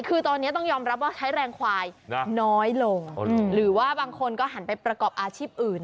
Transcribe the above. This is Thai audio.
คือตอนนี้ต้องยอมรับว่าใช้แรงควายน้อยลงหรือว่าบางคนก็หันไปประกอบอาชีพอื่น